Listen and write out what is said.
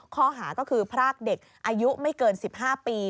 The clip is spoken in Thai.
ข้อหาก็คือพรากเด็กอายุไม่เกิน๑๕ปี